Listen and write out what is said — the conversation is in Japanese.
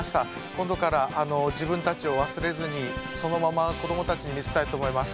今度から自分たちを忘れずにそのまま子どもたちに見せたいと思います。